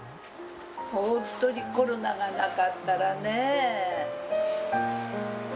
本当にコロナがなかったらね。